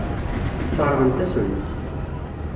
Sseṛɣent-asen-t.